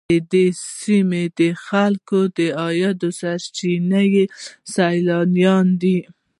د سیمې د خلکو د عاید سرچینه سیلانیان دي.